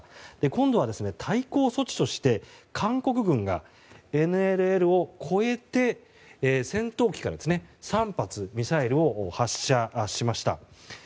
今度は対抗措置として韓国軍がＮＬＬを越えて、戦闘機から３発ミサイルを発射しました。